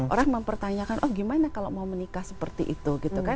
orang mempertanyakan oh gimana kalau mau menikah seperti itu gitu kan